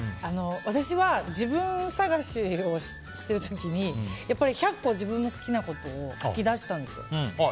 私は自分探しをしてる時に１００個自分の好きなことを書きだしたんです。